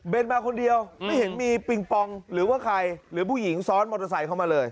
เป็นมาคนเดียวไม่เห็นมีปิงปองหรือว่าใครหรือผู้หญิงซ้อนมอเตอร์ไซค์เข้ามาเลย